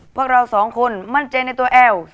พวกเราสองคนมั่นใจในตัวแอล